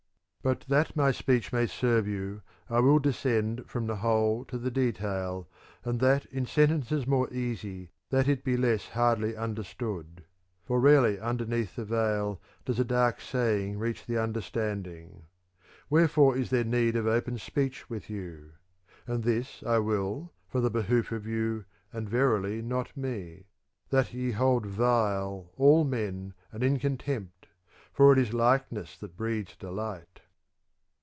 But that my speech may serve you I will descend from the whole to the detail, and that in sentences more easy, that it be less hardly under stood ; for rarely underneath the veil does a dark saying reach the understanding ; wherefore is there need of open speech with you : and this I will for the behoof of you, and verily not me 5 that ye hold vile all men and in contempt, for it is likeness that breeds delight.